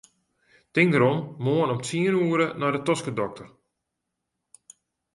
Tink derom, moarn om tsien oere nei de toskedokter.